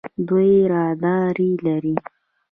دوی رادار لري.